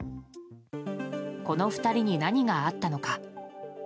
この２人に何があったのか。